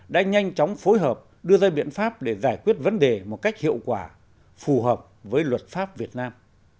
đều phối hợp đưa ra biện pháp để giải quyết vấn đề một cách hiệu quả phù hợp với luật pháp việt nam